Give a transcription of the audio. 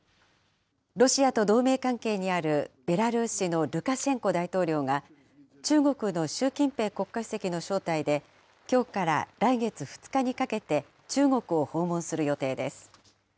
ロシアと同盟関係にあるベラルーシのルカシェンコ大統領が、中国の習近平国家主席の招待で、きょうから来月２日にかけて、中国を訪問する予定です。